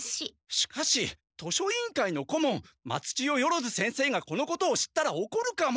しかし図書委員会の顧問松千代万先生がこのことを知ったらおこるかも！